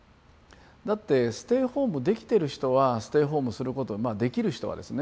だってステイホームできてる人はステイホームすることができる人はですね